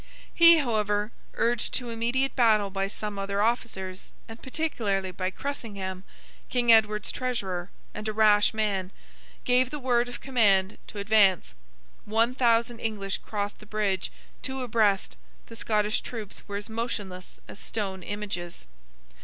He, however, urged to immediate battle by some other officers, and particularly by Cressingham, King Edward's treasurer, and a rash man, gave the word of command to advance. One thousand English crossed the bridge, two abreast; the Scottish troops were as motionless as stone images.